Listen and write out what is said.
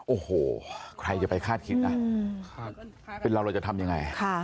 โอ้โหใครจะไปคาดคิดจะทำยังไง